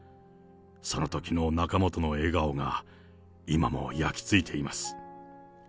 そのときの仲本の笑顔が今も焼き付いています。